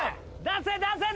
出せ！